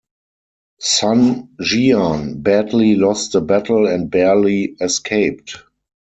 Sun Jian badly lost the battle and barely escaped.